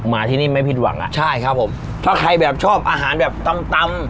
มาที่นี่ไม่ผิดหวังอ่ะใช่ครับผมถ้าใครแบบชอบอาหารแบบตำตำ